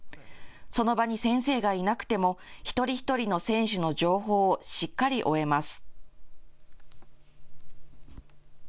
その場に先生がいなくても一人一人の選手の情報をしっかり追えます。